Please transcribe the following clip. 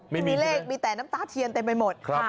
ไม่มีเลขมีแต่น้ำตาเทียนเต็มไปหมด